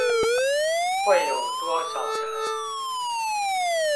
會有多少人？